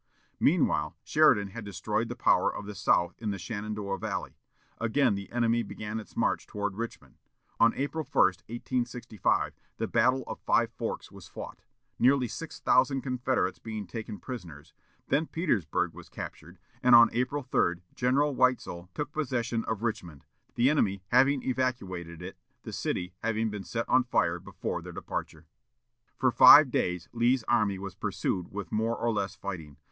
Meanwhile Sheridan had destroyed the power of the South in the Shenandoah valley. Again the army began its march toward Richmond. On April 1, 1865, the battle of Five Forks was fought, nearly six thousand Confederates being taken prisoners; then Petersburg was captured, and on April 3 General Weitzel took possession of Richmond, the enemy having evacuated it, the city having been set on fire before their departure. For five days Lee's army was pursued with more or less fighting.